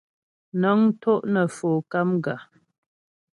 Nə́ŋ tó' nə Fo KAMGA.